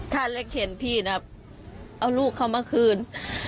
ถ้าเล็กเข็นพี่นะเอาลูกเขามาคืน